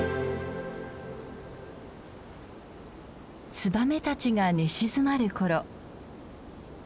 ツバメたちが寝静まる頃。